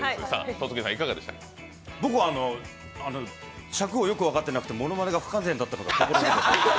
僕は尺をよく分かってなくてものまねが不完全だったのが心残り。